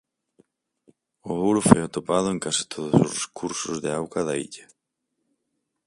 O ouro foi atopado en case todos os cursos de auga da illa.